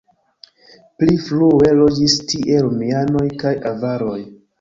Pli frue loĝis tie romianoj kaj avaroj.